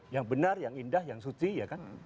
yang benar yang indah yang suci ya kan